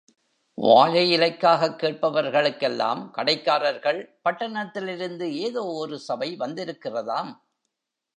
வாழை இலைக்காகக் கேட்பவர்களுக்கெல்லாம், கடைக்காரர்கள், பட்டணத்திலிருந்து ஏதோ ஒரு சபை வந்திருக்கிறதாம்.